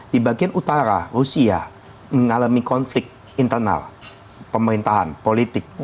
di bagian utara rusia mengalami konflik internal pemerintahan politik